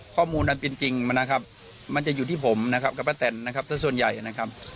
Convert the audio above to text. ข้อมูลอันเป็นจริงนะครับมันจะอยู่ที่ผมนะครับกับป้าแตนนะครับสักส่วนใหญ่นะครับ